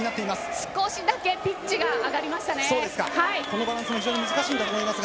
少しだけピッチが上がりましたね。